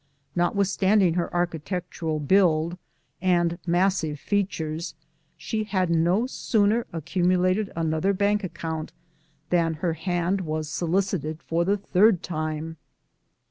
Notwithstanding her architectural build and massive features, she had no sooner accumulated another bank account than her hand was solicited for the third time.